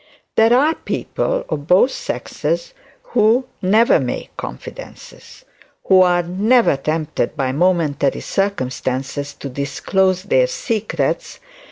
There are people of both sexes who never make confidences; who are never tempted by momentary circumstances to disclose their secrets.